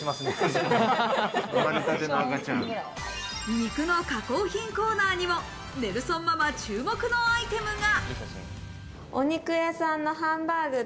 肉の加工品コーナーにもネルソンママ注目のアイテムが。